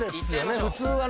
普通はね。